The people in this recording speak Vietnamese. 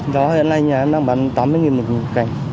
đó hiện nay nhà em đang bán tám mươi một cành